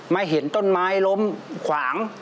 มาเห็นต้นไม้ล้มขวาง